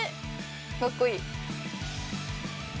かっこいい。